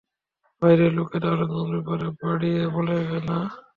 ভাইরে, লোকে তাহলে তোমার ব্যাপারে বাড়িয়ে বলে না।